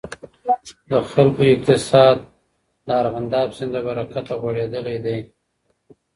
د خلکو اقتصاد د ارغنداب سيند د برکته غوړېدلی دی.